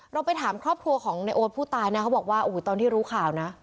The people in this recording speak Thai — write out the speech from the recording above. เราไปถามครอบครัวของในโอ๊ตผู้ตายนะเขาบอกว่าโอ้โหตอนที่รู้ข่าวนะ